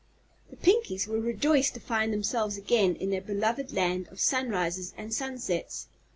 The Pinkies were rejoiced to find themselves again in their beloved land of sunrises and sunsets.